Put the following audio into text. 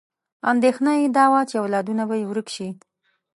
اندېښنه یې دا وه چې اولادونه به یې ورک شي.